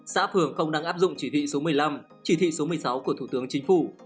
xã phường không đang áp dụng chỉ thị số một mươi năm chỉ thị số một mươi sáu của thủ tướng chính phủ